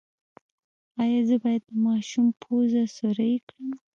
ایا زه باید د ماشوم پوزه سورۍ کړم؟